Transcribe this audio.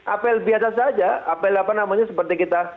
apel biasa saja apel apa namanya seperti kita